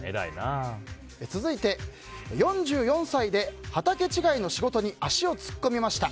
続いて４４歳で畑違いの仕事に足を突っ込みました。